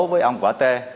với ông võ t